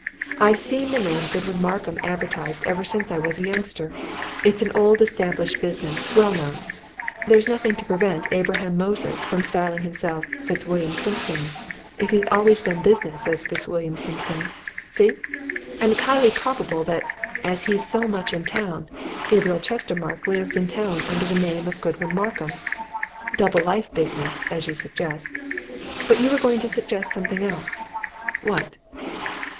I've seen that name Godwin Markham advertised ever since I was a youngster it's an old established business, well known. There's nothing to prevent Abraham Moses from styling himself Fitzwilliam Simpkins, if he's always done business as Fitzwilliam Simpkins see? And it's highly probable that, as he's so much in town, Gabriel Chestermarke lives in town under the name of Godwin Markham double life business, as you suggest. But you were going to suggest something else. What?"